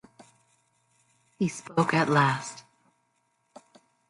He spoke at last.